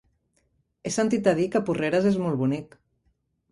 He sentit a dir que Porreres és molt bonic.